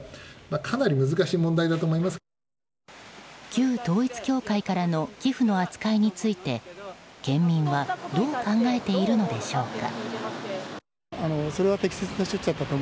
旧統一教会からの寄付の扱いについて県民はどう考えているのでしょうか。